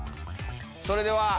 それでは。